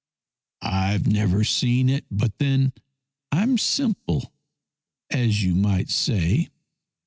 I've never seen it, but then I'm simple, as you might say.